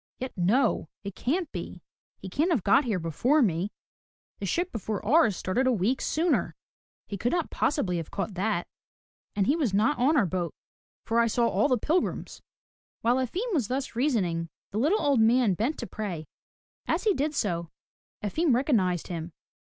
"Yet no! It can't be! He can't have got here before me. The ship before ours started a week i66 FROM THE TOWER WINDOW sooner. He could not possibly have caught that. And he was not on our boat for I saw all the pilgrims.'* While Efim was thus reasoning, the little old man bent to pray. As he did so, Efim recognized him.